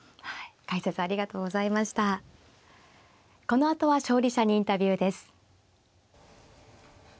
このあとは勝利者にインタビューです。